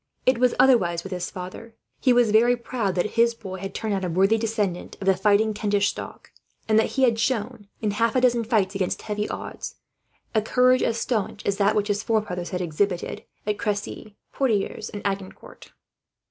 It was otherwise with his father. He was very proud that his boy had turned out a worthy descendant of the fighting Kentish stock; and that he had shown, in half a dozen fights against heavy odds, a courage as staunch as that which his forefathers had exhibited at Cressy, Poitiers, and Agincourt.